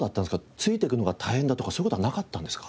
ついていくのが大変だとかそういう事はなかったんですか？